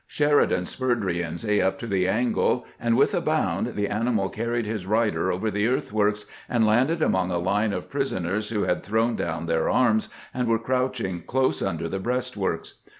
Sheridan spurred " Rienzi " up to the angle, and with a bound the animal carried his rider over the earthworks, and landed among a hne of prisoners who had thrown ' down their arms and were crouching close under the breastworks.